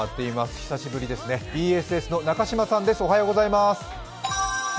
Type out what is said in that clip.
久しぶりですねＢＳＳの中島さんです。